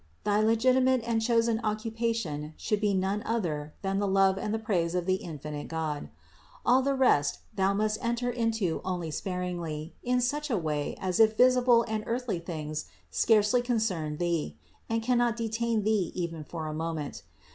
Thy legitimate and chosen occupation should be none other than the love and the praise of the infinite God. All the rest thou must enter into only sparingly, in such a way as if visible and earthly things scarcely concerned thee and cannot detain thee even for a moment.